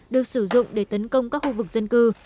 được sử dụng để tấn công các khu vực dân cư